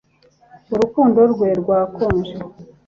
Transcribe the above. Urukundo rwe rwakonje